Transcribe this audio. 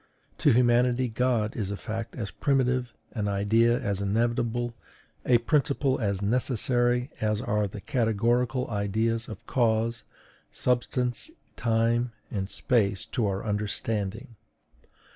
To humanity God is a fact as primitive, an idea as inevitable, a principle as necessary as are the categorical ideas of cause, substance, time, and space to our understanding.